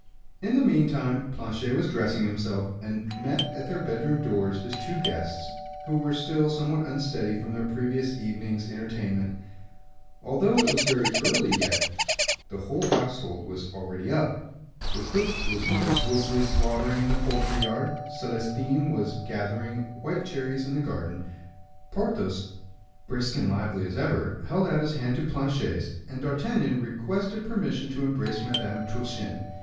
In the meantime Planchet was dressing himself, and met at their bedroom doors his two guests, who were still somewhat unsteady from their previous evening's entertainment. Although it was yet very early, the whole household was already up. The cook was mercilessly slaughtering in the poultry yard; Celestin was gathering white cherries in the garden. Porthos, brisk and lively as ever, held out his hand to Planchet's, and D'Artagnan requested permission to embrace Madame Truchen.